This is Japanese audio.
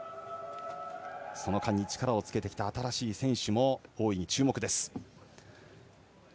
その間に力をつけてきた新しい選手も大いに注目です。